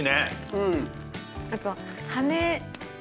うん。